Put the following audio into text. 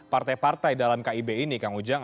partai partai dalam kib ini kang ujang